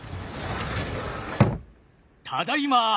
ただいま。